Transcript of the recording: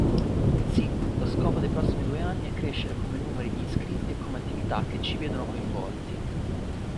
Sì, lo scopo dei prossimi due anni è crescere come numeri di iscritti e come attività che ci vedono coinvolti.